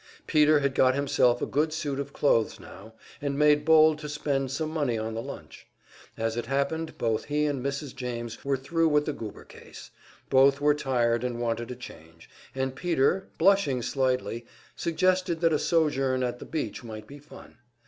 Peter had got himself a good suit of clothes now, and made bold to spend some money on the lunch. As it happened, both he and Mrs. James were thru with the Goober case; both were tired and wanted a change, and Peter, blushing shyly, suggested that a sojourn at the beach might be fun.